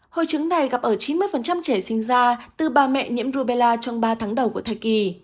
hội chứng này gặp ở chín mươi trẻ sinh ra từ bà mẹ nhiễm rubella trong ba tháng đầu của thai kỳ